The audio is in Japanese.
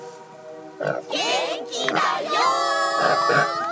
げんきだよ！